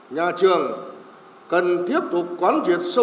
nhà trường cần tiếp tục quán triệt sâu sắc